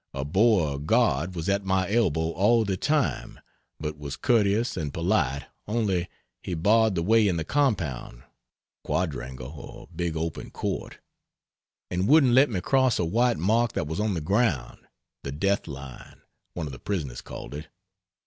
A Boer guard was at my elbow all the time, but was courteous and polite, only he barred the way in the compound (quadrangle or big open court) and wouldn't let me cross a white mark that was on the ground the "death line" one of the prisoners called it.